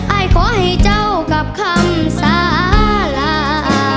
อายขอให้เจ้ากับคำสารา